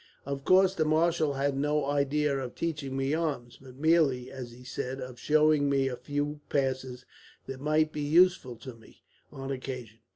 Of course the marshal had no idea of teaching me arms, but merely, as he said, of showing me a few passes that might be useful to me, on occasion.